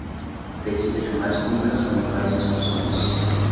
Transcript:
Precisa de mais comunicação e mais instruções